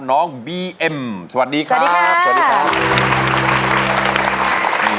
น้องบีเอ็มสวัสดีครับ